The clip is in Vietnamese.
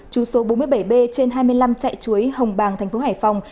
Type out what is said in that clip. chú số bốn mươi bảy b trên hai mươi năm chạy chuối hồng bàng thành phố hải phòng